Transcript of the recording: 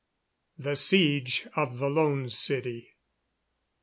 THE SIEGE OF THE LONE CITY.